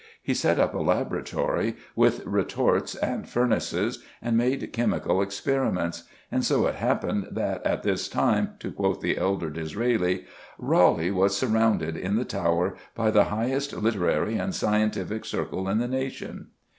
He set up a laboratory, with retorts and furnaces, and made chemical experiments; and so it happened that at this time, to quote the elder Disraeli, "Raleigh was surrounded, in the Tower, by the highest literary and scientific circle in the nation."